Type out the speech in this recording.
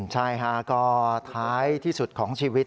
ใช่ค่ะก็ท้ายที่สุดของชีวิต